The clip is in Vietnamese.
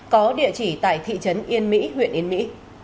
có địa chỉ tại thị trấn yên mỹ huyện yên mỹ